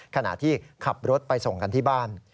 ขณะที่ขับรถไปส่งกันที่บ้าน